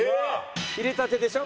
入れたてでしょ？